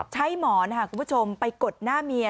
หมอนคุณผู้ชมไปกดหน้าเมีย